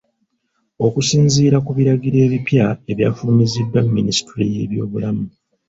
Okusinziira ku biragiro ebipya ebyafulumiziddwa Minisitule y'ebyobulamu.